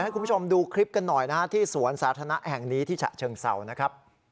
ให้คุณผู้ชมดูคลิปกันหน่อยที่สวนสาธารณะแห่งนี้ที่ฉะเชิงเศร้า